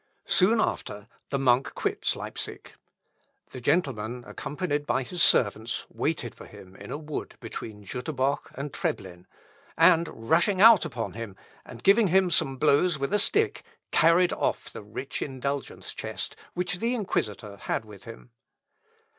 Soon after the monk quits Leipsic. The gentleman accompanied by his servants, waited for him in a wood between Jüterboch and Treblin, and rushing out upon him, and giving him some blows with a stick, carried off the rich indulgence chest, which the inquisitor had with him.